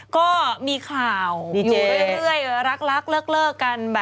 ก็มีข่าวอยู่เรื่อยรักเลิกกัน